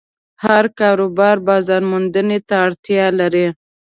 هر کاروبار بازارموندنې ته اړتیا لري.